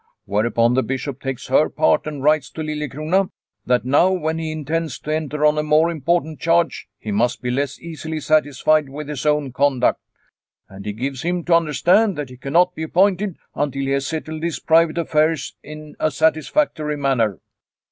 Whereupon the Bishop takes her part, and writes to Lilie crona that now, when he intends to enter on a more important charge, he must be less easily satisfied with his own conduct. And he gives him to understand that he cannot be appointed until he has settled his private affairs in a satisfactory manner.